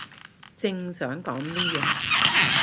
正想講呢樣